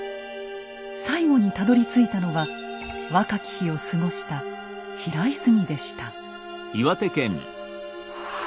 最後にたどりついたのは若き日を過ごした平泉でした。